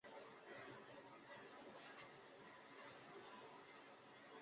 车站设有一条通往安徽储备物资管理局三五九处的专用线。